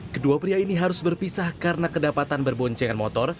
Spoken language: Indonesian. kedua pria ini harus berpisah karena kedapatan berboncengan motor